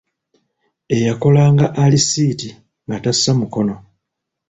Eyakolanga alisiiti nga tassa mukono.